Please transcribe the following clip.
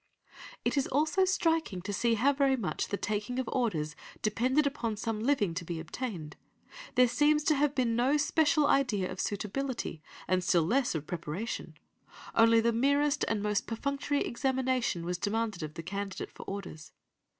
'" It is also striking to see how very much the taking of Orders depended upon some living to be obtained; there seems to have been no special idea of suitability, and still less of preparation, only the merest and most perfunctory examination was demanded of the candidate for Orders.